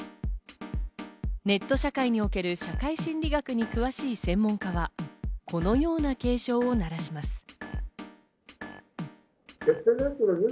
ネット社会における社会心理学に詳しい専門家は、このような警鐘を鳴らします。